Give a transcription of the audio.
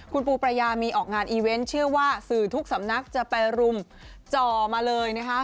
คุณปูประยามีออกงานอีเวนต์เชื่อว่าสื่อทุกสำนักจะไปรุมจ่อมาเลยนะคะ